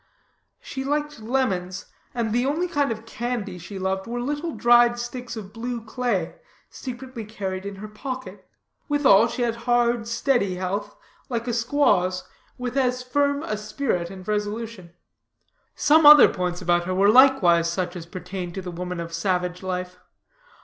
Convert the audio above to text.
She liked lemons, and the only kind of candy she loved were little dried sticks of blue clay, secretly carried in her pocket. Withal she had hard, steady health like a squaw's, with as firm a spirit and resolution. Some other points about her were likewise such as pertain to the women of savage life.